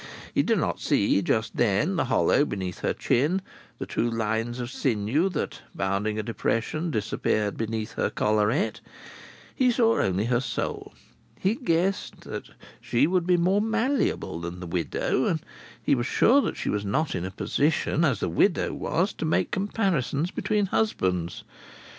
He did not see, just then, the hollow beneath her chin, the two lines of sinew that, bounding a depression, disappeared beneath her collarette. He saw only her soul. He guessed that she would be more malleable than the widow, and he was sure that she was not in a position, as the widow was, to make comparisons between husbands.